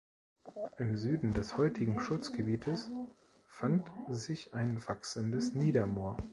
Im Süden des heutigen Schutzgebietes fand sich ein wachsendes Niedermoor.